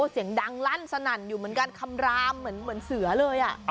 เสียงดังลั่นสนั่นอยู่เหมือนกันคำรามเหมือนเสือเลย